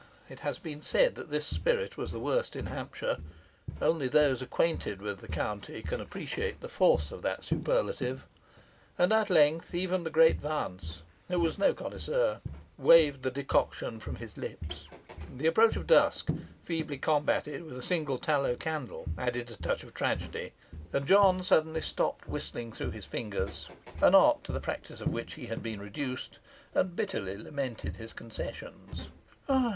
It has been said this spirit was the worst in Hampshire; only those acquainted with the county can appreciate the force of that superlative; and at length even the Great Vance (who was no connoisseur) waved the decoction from his lips. The approach of dusk, feebly combated with a single tallow candle, added a touch of tragedy; and John suddenly stopped whistling through his fingers an art to the practice of which he had been reduced and bitterly lamented his concessions.